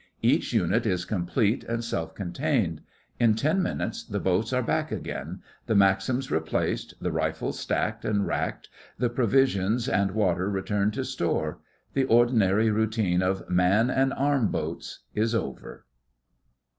Each unit is complete and self contained. In ten minutes the boats are back again, the Maxims replaced, the rifles stacked and racked, the provisions and water returned to store. The ordinary routine of 'man and arm boats' is over.